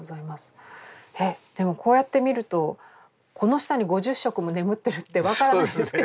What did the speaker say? えっでもこうやって見るとこの下に５０色も眠ってるって分からないですね。